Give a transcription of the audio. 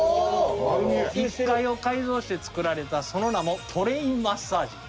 １階を改造して作られたその名も「トレインマッサージ」。